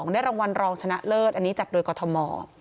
ได้รางวัลรองชนะเลิศอันนี้จัดโดยกรทม